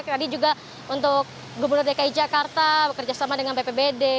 tadi juga untuk gubernur dki jakarta bekerja sama dengan ppbd